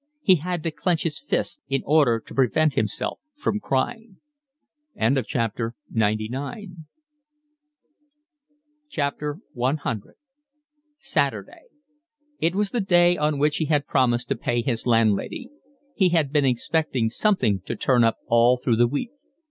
He had to clench his fists in order to prevent himself from crying. C Saturday. It was the day on which he had promised to pay his landlady. He had been expecting something to turn up all through the week.